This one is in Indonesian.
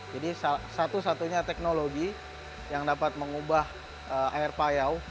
jadi satu satunya teknologi yang dapat mengubah air payau